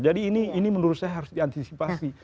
jadi ini menurut saya harus diantisipasi